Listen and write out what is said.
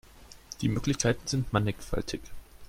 Die Möglichkeiten sind mannigfaltig.